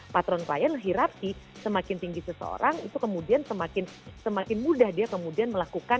patron klien hirarki semakin tinggi seseorang itu kemudian semakin mudah dia kemudian melakukan